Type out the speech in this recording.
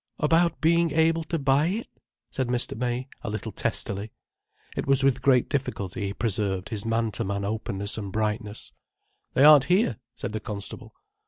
"About being able to buy it," said Mr. May, a little testily. It was with great difficulty he preserved his man to man openness and brightness. "They aren't here," said the constable.